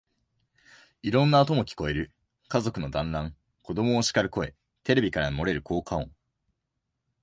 いろんな音も聞こえる。家族の団欒、子供をしかる声、テレビから漏れる効果音、